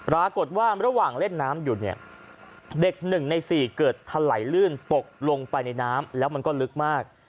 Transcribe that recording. ระหว่างเล่นน้ำอยู่เนี่ยเด็ก๑ใน๔เกิดถลายลื่นตกลงไปในน้ำแล้วมันก็ลึกมาก